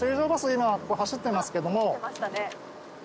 今ここ走ってますけども。